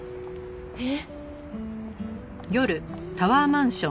えっ？